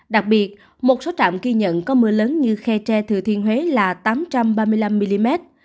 đặc biệt một số trạm ghi nhận có mưa lớn như khe tre thừa thiên huế là tám trăm ba mươi năm mm